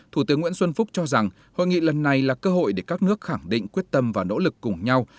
thủ tướng nguyễn xuân phúc cho rằng hội nghị lần này là cơ hội để các nước khẳng định quyết tâm và nỗ lực cùng nhau